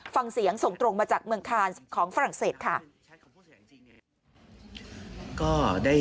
ฟังเสียงส่งตรงมาจากเมืองคานของฝรั่งเศสค่ะ